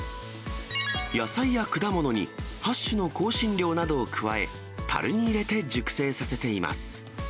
野菜や果物に８種の香辛料などを加え、たるに入れて熟成させています。